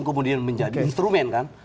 kemudian menjadi instrumen kan